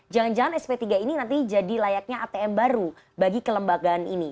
jangan jangan sp tiga ini nanti jadi layaknya atm baru bagi kelembagaan ini